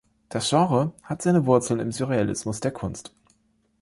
Das Genre hat seine Wurzeln im Surrealismus der Kunst.